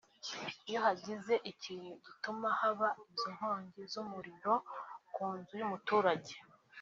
iyo hagize ikintu gituma haba izo nkongi z’umuriro ku nzu y’umuturage